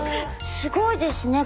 すごいですね